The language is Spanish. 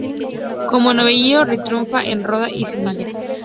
Como novillero triunfa en Ronda y Sevilla.